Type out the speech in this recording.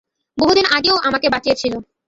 বহু দিন আগে ও আমাকে বাঁচিয়েছিল।